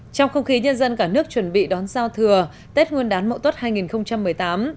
trong không khí nhân dân cả nước chuẩn bị đón giao thừa tết nguyên đán mậu tuất hai nghìn một mươi tám